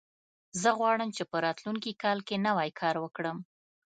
زه غواړم چې په راتلونکي کال کې نوی کار وکړم